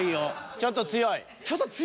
ちょっと強い？